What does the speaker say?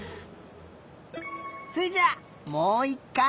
それじゃあもういっかい。